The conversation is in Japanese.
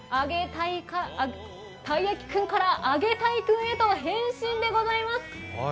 たい焼き君からあげたい君へと変身です。